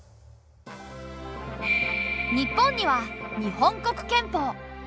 日本には日本国憲法。